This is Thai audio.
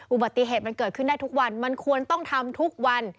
อุบัติเหตุมันเกิดขึ้นได้ทุกวันมันควรต้องทำทุกวัน